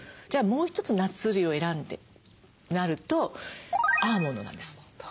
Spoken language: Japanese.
じゃあもう一つナッツ類を選んでとなるとアーモンドなんです。